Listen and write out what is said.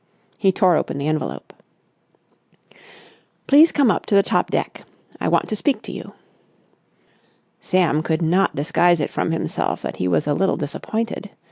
He tore open the envelope. "Please come up to the top deck. I want to speak to you." Sam could not disguise it from himself that he was a little disappointed.